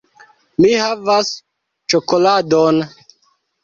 "Mi havas ĉokoladon!"